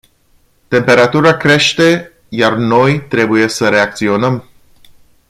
Temperatura crește, iar noi trebuie să reacționăm.